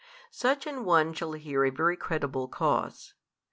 Such an one shall hear a very credible cause.